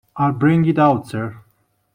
I will bring it out, sir.